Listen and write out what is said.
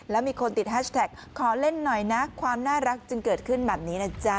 แล้วมีคนติดแฮชแท็กขอเล่นหน่อยนะความน่ารักจึงเกิดขึ้นแบบนี้นะจ๊ะ